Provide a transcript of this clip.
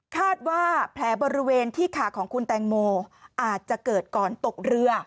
คาดว่าแผลบริเวณที่ขาของคุณแตงโมอาจจะเกิดก่อนตกเรือ